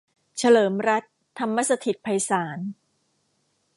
เฉลิมรัตน์ ธรรมสถิตไพศาล